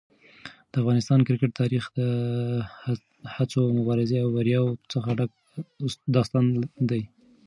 د افغانستان کرکټ تاریخ د هڅو، مبارزې او بریاوو څخه ډک داستان دی.